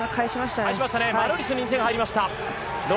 マルーリスに２点が入りました。